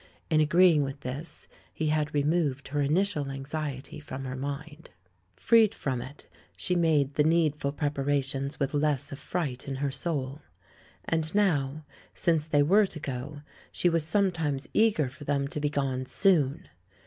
In agree ing with this, he had removed her initial anxiety from her mind. Freed from it, she made the needful prepara tions with less of fright in her soul. And now, since they were to go, she was sometimes eager for them to be gone soon.